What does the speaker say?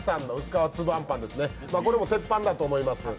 これもテッパンだと思います。